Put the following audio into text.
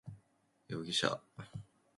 容疑者